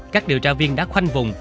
các điều tra viên đã khoanh vùng